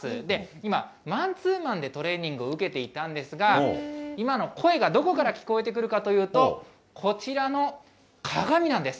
今、マンツーマンでトレーニングを受けていたんですが、今の声がどこから聞こえてくるかというと、こちらの鏡なんです。